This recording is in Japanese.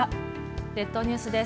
列島ニュースです。